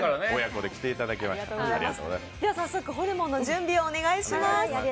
では、早速ホルモンの準備をお願いします。